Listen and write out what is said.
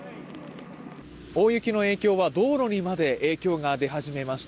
大雪の影響は道路にまで影響が出始めました。